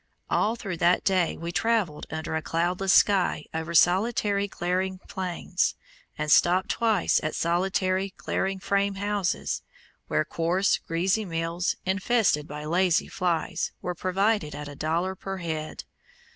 All through that day we traveled under a cloudless sky over solitary glaring plains, and stopped twice at solitary, glaring frame houses, where coarse, greasy meals, infested by lazy flies, were provided at a dollar per head.